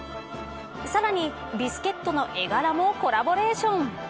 さらに、ビスケットの絵柄もコラボレーション。